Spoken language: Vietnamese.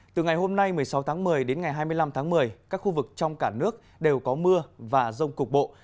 từ ngày hôm nay một mươi sáu tháng một mươi đến ngày hai mươi năm tháng một mươi các khu vực trong cả nước đều có mưa và rông cục bộ